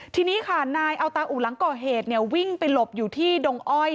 ทีนี้ค่ะนายอัลตาอุหลังก่อเหตุเนี่ยวิ่งไปหลบอยู่ที่ดงอ้อย